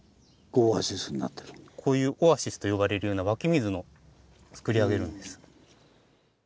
こういう「オアシス」と呼ばれるような湧き水のつくり上げるんです。